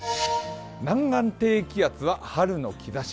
南岸低気圧は春の兆し。